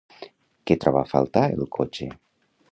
Que troba a faltar el cotxe?